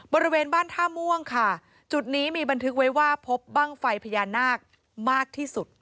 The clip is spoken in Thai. บริเวณบ้านท่าม่วงค่ะจุดนี้มีบันทึกไว้ว่าพบบ้างไฟพญานาคมากที่สุด